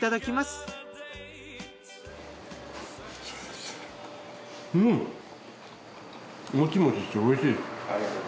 早速もちもちしておいしいです。